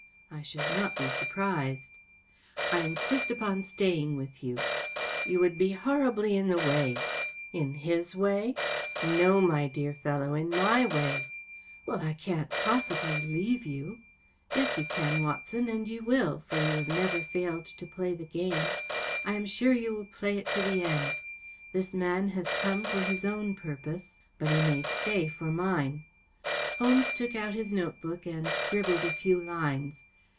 ‚ÄĚ I should not be surprised.‚ÄĚ “ I insist upon staying with you.‚ÄĚ ‚ÄĚ You would be horribly in the way.‚ÄĚ *' In his way ? ‚ÄĚ “ No, my dear fellow‚ÄĒin my way.‚ÄĚ “ Well, I can't possibly leave you.‚ÄĚ “ Yes, you can, Watson. And you will, for you have never failed to play the game. I am sure you will play it to the eftd. This man has come for his own purpose, but he may stay for mine.‚ÄĚ Holmes took out his note book and scribbled a few lines.